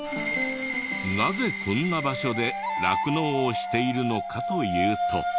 なぜこんな場所で酪農をしているのかというと。